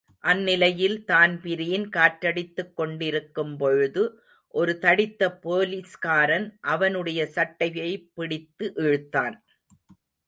அந்நிலையில் தான்பிரீன் காற்றடித்துக்கொண்டிருக்கும் பொழுது ஒரு தடித்த போலிஸ்காரன் அவனுடைய சட்டையைப் பிடித்து இழுத்தான்.